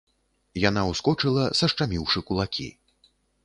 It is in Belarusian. Яна ўскочыла, сашчаміўшы кулакі.